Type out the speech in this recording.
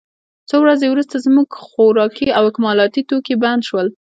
څو ورځې وروسته زموږ خوراکي او اکمالاتي توکي بند شول